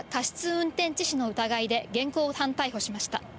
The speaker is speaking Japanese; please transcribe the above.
運転致死の疑いで現行犯逮捕しました。